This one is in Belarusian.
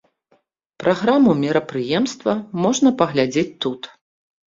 Праграму мерапрыемства можна паглядзець тут.